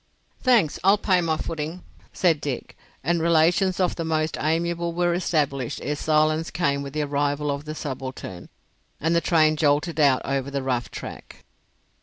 "Thanks. I'll pay my footing," said Dick, and relations of the most amiable were established ere silence came with the arrival of the subaltern, and the train jolted out over the rough track.